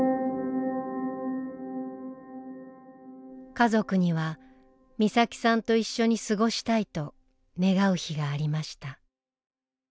家族には美咲さんと一緒に過ごしたいと願う日がありました。